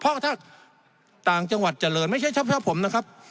เพราะถ้าต่างจังหวัดเจริญไม่ใช่เฉพาะผมนะครับ